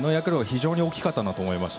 非常に大きかったと思います。